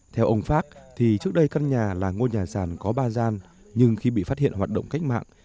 theo ông pháp thì trước đây căn nhà là ngôi nhà sàn có ba gian nhưng khi bị phát hiện hoạt động cách mạng